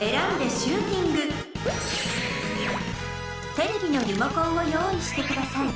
テレビのリモコンをよういしてください。